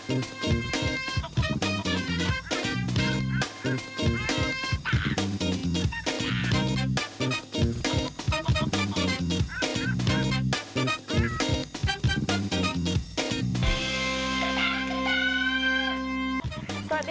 อาหารรังละครับ